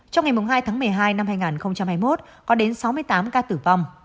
trong ngày hai một mươi hai hai nghìn hai mươi một có đến sáu mươi tám ca tử vong